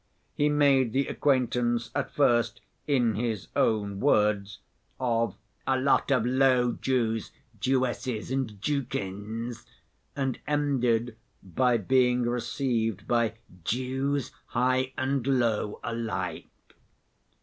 He made the acquaintance at first, in his own words, "of a lot of low Jews, Jewesses, and Jewkins," and ended by being received by "Jews high and low alike."